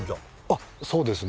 あっそうですね。